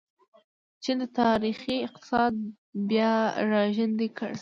چین د تاریخي اقتصاد بیا راژوندی کړ.